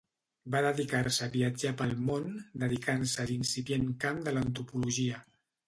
Va dedicar-se a viatjar pel món dedicant-se a l'incipient camp de l'antropologia.